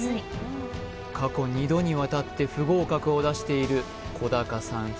過去２度にわたって不合格を出している小高さん